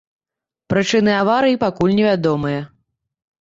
Прычыны аварыі пакуль невядомыя.